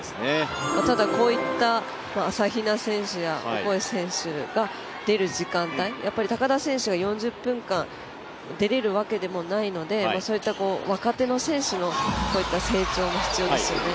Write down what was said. ただ、こういった朝比奈選手やオコエ選手が出る時間帯、高田選手が４０分間出れるわけでもないのでそういった若手の選手の成長が必要ですよね。